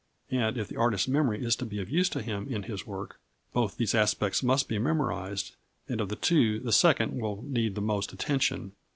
And, if the artist's memory is to be of use to him in his work, both these aspects must be memorised, and of the two the second will need the most attention.